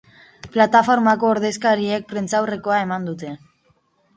Plataformako ordezkariek prentsaurrekoa eman dute.